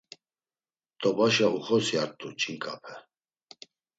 T̆obaşa uxosyart̆u ç̌inǩape.